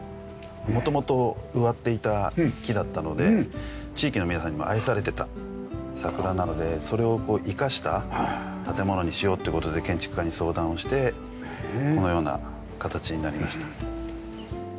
元々植わっていた木だったので地域の皆さんにも愛されてた桜なのでそれを生かした建物にしようって事で建築家に相談をしてこのような形になりました。